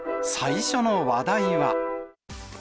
最初の話題は。